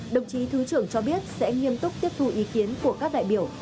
đồng chí thứ trưởng cho biết sẽ nghiêm túc tiếp thu ý kiến của các đại biểu